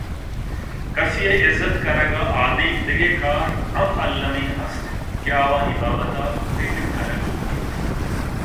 کسے ءِ عزت کنگ ءَ آدیم دگہ کار ہم المّیں است اِنت کہ آوانی بابتءَ پگر کنگ لوٹیت